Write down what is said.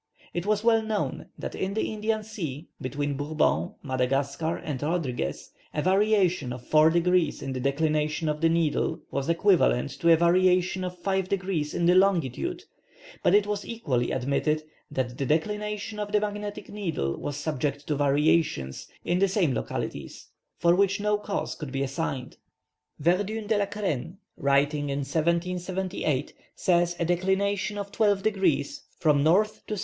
It was well known that in the Indian Sea, between Bourbon, Madagascar, and Rodriguez, a variation of four degrees in the declination of the needle was equivalent to a variation of five degrees in the longitude, but it was equally admitted that the declination of the magnetic needle was subject to variations, in the same localities, for which no cause could be assigned. Verdun de la Crenne, writing in 1778, says a declination of twelve degrees, from N. to W.